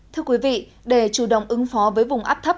thưa quý vị để chủ động ứng phó với vùng áp thấp